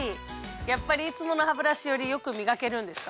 やっぱりいつものハブラシより良くみがけるんですか？